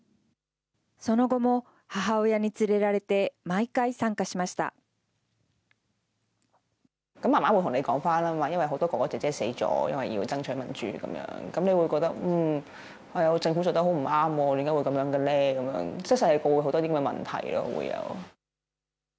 その後も母親に連れられて毎回参加しました。